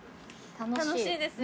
楽しいですよね。